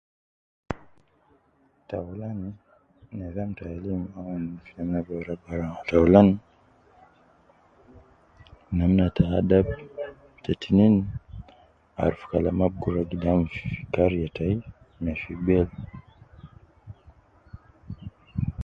Ta aulan nizam ta hhh ta aula namna ta adab, te tinein arufu Kalama Al guruwa gidam fi kariya tayi ma fi be.